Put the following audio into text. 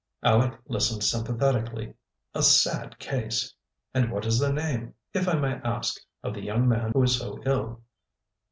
Aleck listened sympathetically. "A sad case! And what is the name, if I may ask, of the young man who is so ill?"